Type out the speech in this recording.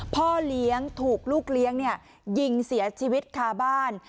พ่อเลี้ยงถูกลูกเลี้ยงยิงเสียชีวิตคาบ้าน